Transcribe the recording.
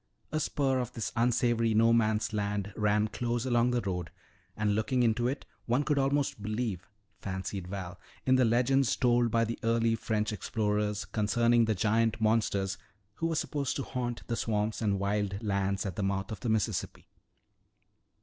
A spur of this unsavory no man's land ran close along the road, and looking into it one could almost believe, fancied Val, in the legends told by the early French explorers concerning the giant monsters who were supposed to haunt the swamps and wild lands at the mouth of the Mississippi.